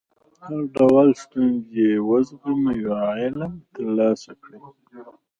هر ډول ستونزې وزغمئ او علم ترلاسه کړئ.